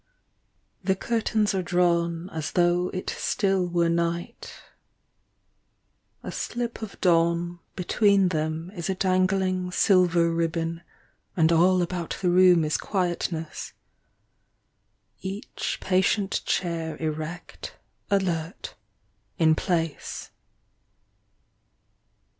THE curtains are drawn as though it still were night, A slip of dawn between them is a dangling silver ribbon ; And all about the room is quietness — Each patient chair Erect, alert, in place.